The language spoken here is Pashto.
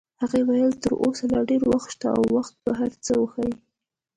هغې وویل: تر اوسه لا ډېر وخت شته او وخت به هر څه وښایي.